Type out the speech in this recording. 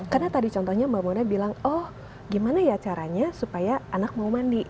karena tadi contohnya mbak mona bilang oh gimana ya caranya supaya anak mau mandi